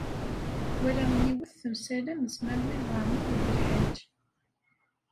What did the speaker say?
Walaɣ yiwet temsalam d Smawil Waɛmaṛ U Belḥaǧ.